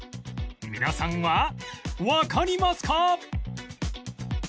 皆さんはわかりますか？